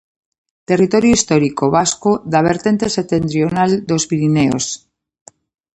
Territorio histórico vasco da vertente setentrional dos Pireneos.